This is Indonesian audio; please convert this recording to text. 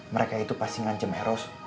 mereka itu pasti nganjem eros